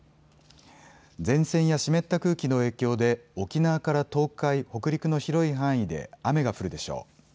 前線や湿った空気の影響で沖縄から東海、北陸の広い範囲で雨が降るでしょう。